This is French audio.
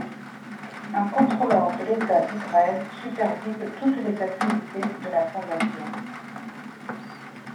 Un contrôleur de l'état d'Israël supervise toutes les activités de la Fondation.